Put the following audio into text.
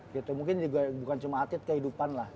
gitu mungkin bukan cuma atlet kehidupan lah